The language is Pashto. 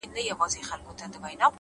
هره لاسته راوړنه استقامت غواړي,